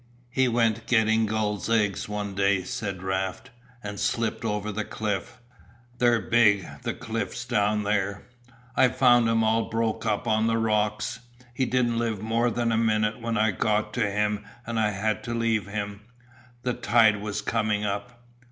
"He went getting gulls' eggs one day," said Raft, "and slipped over the cliff. They're big, the cliffs, down there. I found him all broke up on the rocks. He didn't live more than a minute when I got to him and I had to leave him; the tide was coming up."